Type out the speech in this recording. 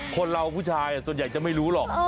คนเราผู้ชายส่วนใหญ่จะไม่รู้หรอก